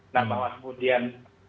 nah bahwa kemudian